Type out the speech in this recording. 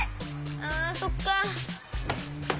あっそっか。